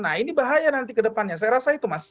nah ini bahaya nanti ke depannya saya rasa itu mas